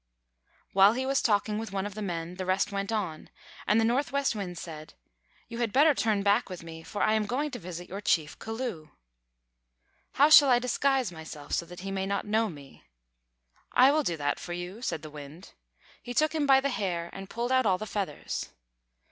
While he was talking with one of the men the rest went on, and Northwest Wind said: "You had better turn back with me, for I am going to visit your chief, Culloo." "How shall I disguise myself so that he may not know me?" "I will do that for you," said the Wind. He took him by the hair, and pulled out all the feathers.